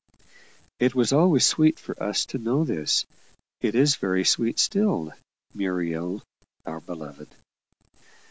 It was always sweet for us to know this it is very sweet still, Muriel, our beloved!